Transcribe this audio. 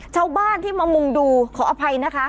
ชาวบ้านที่มามุงดูขออภัยนะคะ